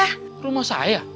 ke rumah saya